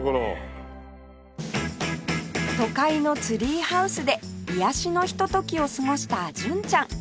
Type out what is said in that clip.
都会のツリーハウスで癒やしのひとときを過ごした純ちゃん